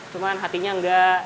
cuman hatinya enggak